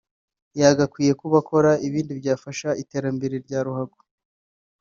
yagakwiye kuba akora ibindi byafasha iterambere rya ruhago